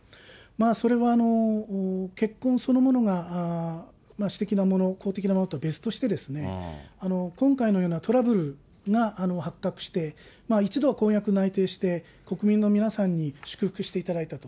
それは、結婚そのものが私的なもの、公的なものと別として、今回のようなトラブルが発覚して、一度は婚約内定して、国民の皆さんに祝福していただいたと。